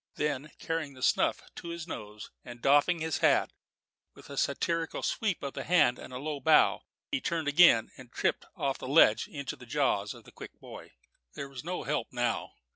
Then carrying the snuff to his nose, and doffing his hat, with a satirical sweep of the hand and a low bow, he turned again and tripped off the ledge into the jaws of the Quick Boy. There was no help now.